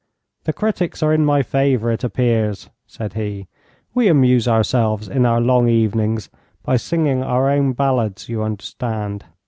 'The critics are in my favour, it appears,' said he; 'we amuse ourselves in our long evenings by singing our own ballads, you understand.